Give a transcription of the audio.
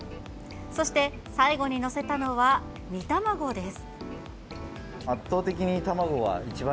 そして、最後に載せたのは煮卵です。